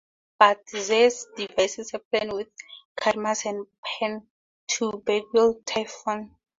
But Zeus devises a plan with Cadmus and Pan to beguile Typhon.